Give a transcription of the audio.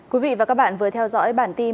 quý vị và các bạn vừa theo dõi bản tin